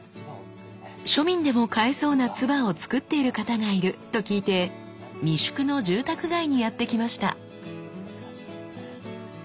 庶民でも買えそうな鐔をつくっている方がいると聞いて三宿の住宅街にやってきました。